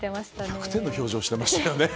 １００点の表情してましたよね。